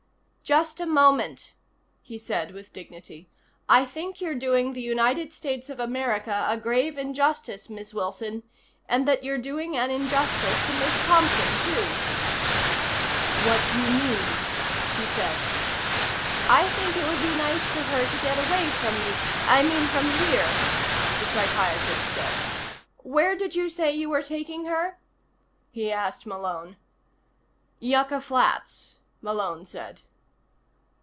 "Just a moment," he said with dignity. "I think you're doing the United States of America a grave injustice, Miss Wilson and that you're doing an injustice to Miss Thompson, too." "What do you mean?" she said. "I think it would be nice for her to get away from me I mean from here," the psychiatrist said. "Where did you say you were taking her?" he asked Malone. "Yucca Flats," Malone said.